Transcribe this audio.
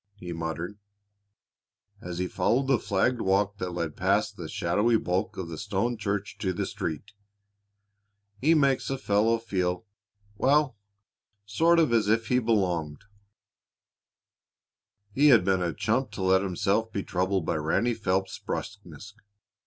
he muttered, as he followed the flagged walk that led past the shadowy bulk of the stone church to the street. "He makes a fellow feel well, sort of as if he belonged!" He had been a chump to let himself be troubled by Ranny Phelps's brusqueness.